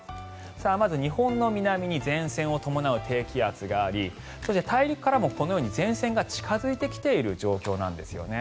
まず日本の南に前線を伴う低気圧がありそして大陸からもこのように前線が近付いてきている状況なんですよね。